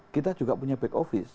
kita juga punya back office